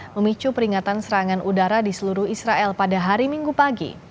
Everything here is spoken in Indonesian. memicu peringatan serangan udara di seluruh israel pada hari minggu pagi